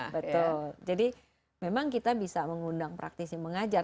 betul jadi memang kita bisa mengundang praktisi mengajar